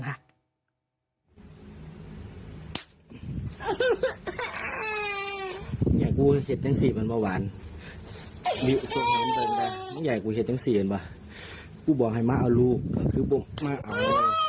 ตายตายสักท่าน